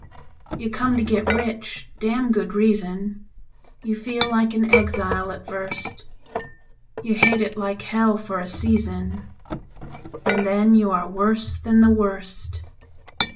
You come to get rich (damned good reason); You feel like an exile at first; You hate it like hell for a season, And then you are worse than the worst.